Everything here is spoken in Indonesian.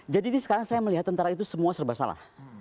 jadi sekarang saya melihat tentara itu semua serba salah